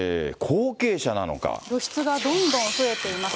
露出がどんどん増えています。